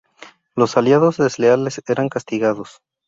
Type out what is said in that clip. Los aliados desleales eran castigados.